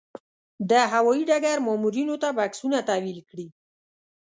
د هوايي ډګر مامورینو ته بکسونه تحویل کړي.